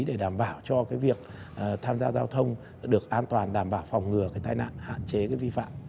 để đảm bảo cho cái việc tham gia giao thông được an toàn đảm bảo phòng ngừa cái tai nạn hạn chế cái vi phạm